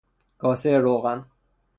کاسه روغن